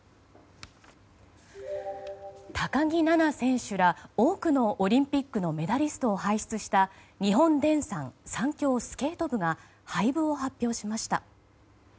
高木菜那選手ら多くのオリンピックのメダリストを輩出した日本電産サンキョースケート部が廃部を発表しました。